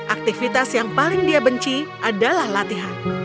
aktivitas yang paling dia benci adalah latihan